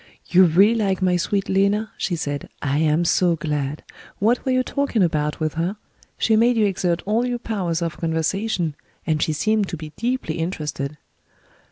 "You really like my sweet Lena?" she said. "I am so glad. What were you talking about, with her? She made you exert all your powers of conversation, and she seemed to be deeply interested."